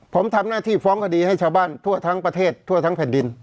ผมทำหน้าที่ฟ้องคดีให้ชาวบ้านทั่วทั้งประเทศทั่วทั้งแผ่นดิน